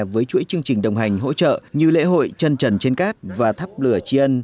với chuỗi chương trình đồng hành hỗ trợ như lễ hội trân trần trên cát và thắp lửa chiên